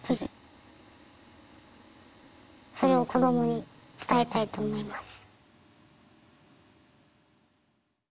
それを子どもに伝えたいと思います。